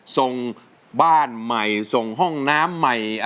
ส่งฮ่องน้ำใหม่